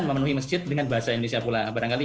memenuhi masjid dengan bahasa indonesia pula barangkali